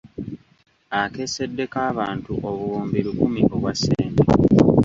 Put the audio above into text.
Akeesedde kabaamu obuwumbi lukumi obwa sente.